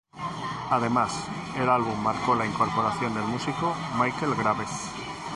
Además, el álbum marcó la incorporación del músico Michael Graves.